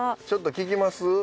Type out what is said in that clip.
ちょっと聞きます？